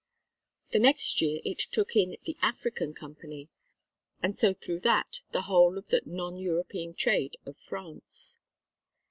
The next year it took in the African Company; and so through that the whole of the non European trade of France.